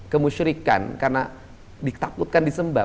kemusyrikan karena ditakutkan disembah